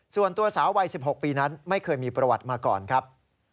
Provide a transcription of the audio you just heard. ส่วนตัวสาววัย๑๖ปีนั้นไม่เคยมีประวัติมาก่อนครับ